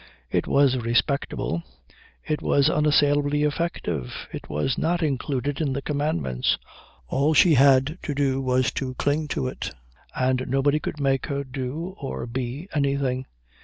It was respectable; it was unassailably effective; it was not included in the Commandments. All she had to do was to cling to it, and nobody could make her do or be anything.